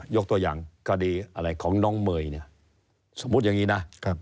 ยกตัวอย่างคดีอะไรของน้องเมย์เนี่ยสมมุติอย่างนี้นะ